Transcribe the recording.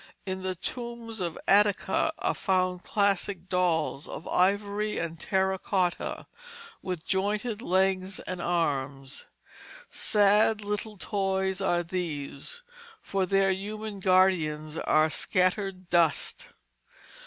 In the tombs of Attica are found classic dolls, of ivory and terra cotta, with jointed legs and arms. Sad little toys are these; for their human guardians are scattered dust.